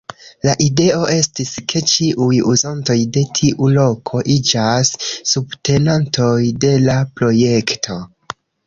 La ideo estis ke ĉiuj uzantoj de tiu loko iĝas subtenantoj de la projekto.